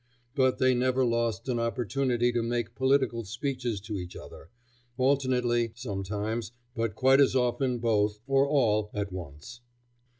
But they never lost an opportunity to make political speeches to each other; alternately, sometimes, but quite as often both, or all, at once.